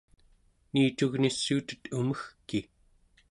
niicugnissuutet umegki!